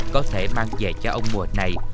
có thể mang về cho ông mùa này